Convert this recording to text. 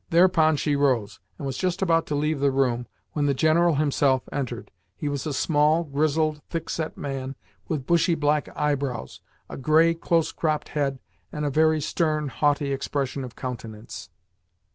Thereupon she rose, and was just about to leave the room, when the General himself entered. He was a small, grizzled, thick set man, with bushy black eyebrows, a grey, close cropped head, and a very stern, haughty expression of countenance.